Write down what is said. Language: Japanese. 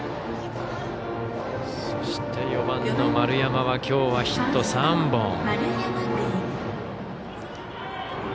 そして、４番の丸山はきょうはヒット３本。